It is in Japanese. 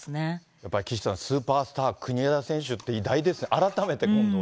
やっぱり岸さん、スーパースター、国枝選手って偉大です、改めて、今度は。